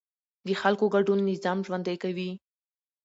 د خلکو ګډون نظام ژوندی کوي